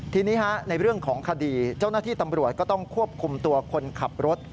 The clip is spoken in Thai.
ทีนี้ในเรื่องของคดีเจ้าหน้าที่ตำรวจก็ต้องควบคุมตัวคนขับรถ